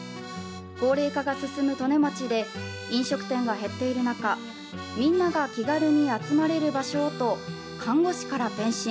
高齢化が進む利根町で飲食店が減っている中みんなが気軽に集まれる場所をと看護師から転身。